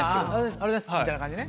「あざす」みたいな感じね。